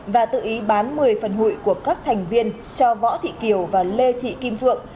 và tự ý bán một mươi phần hụi của các thành viên cho võ thị kiều và lê thị kim phượng